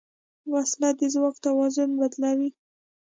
وسله د ځواک توازن بدلوي